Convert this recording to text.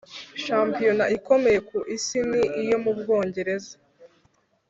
shampiyona ikomeye ku isi ni iyo mu bwongereza